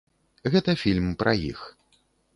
Гэта фільм пра іх.